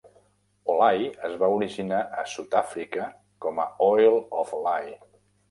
Olay es va originar a Sud-àfrica com a Oil of Olay.